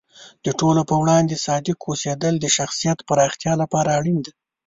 د ټولو په وړاندې صادق اوسیدل د شخصیت پراختیا لپاره اړین دی.